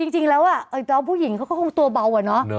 จริงแล้วพวกผู้หญิงเขาก็ตัวเบาอ่ะเนอะ